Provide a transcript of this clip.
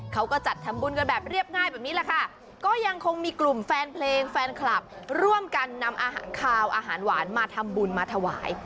เขาก็จัดทำบุญกันแบบเรียบง่ายแบบนี้แหละค่ะก็ยังคงมีกลุ่มแฟนเพลงแฟนคลับร่วมกันนำอาหารคาวอาหารหวานมาทำบุญมาถวาย